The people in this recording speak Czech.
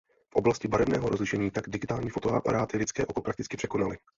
V oblasti barevného rozlišení tak digitální fotoaparáty lidské oko prakticky překonaly.